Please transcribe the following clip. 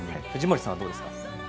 藤森さんはどうですか。